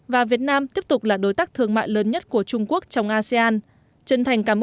và việt nam tiếp tục là đối tác thương mại lớn nhất của trung quốc trong asean